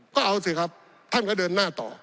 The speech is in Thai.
ก็เอาสิครับท่านก็เดินหน้าต่อ